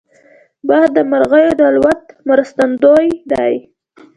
باد د مرغیو د الوت مرستندوی دی